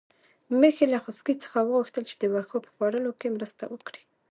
میښې له خوسکي څخه وغوښتل چې د واښو په خوړلو کې مرسته وکړي.